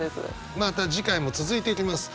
また次回も続いていきます。